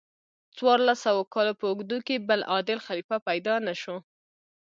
څوارلس سوو کالو په اوږدو کې بل عادل خلیفه پیدا نشو.